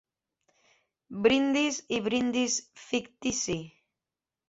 Brindis i brindis fictici!